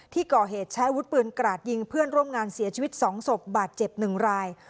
ที่ก่อเหตุใช้อาวุธปืนกราดยิงเพื่อนร่วมงานเสียชีวิต๒ศพบาดเจ็บ๑ราย